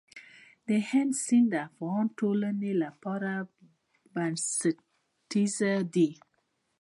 هلمند سیند د افغانستان د ټولنې لپاره بنسټيز دی.